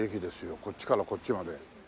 こっちからこっちまで。